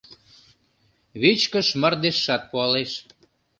Вичкыж мардежшат пуалеш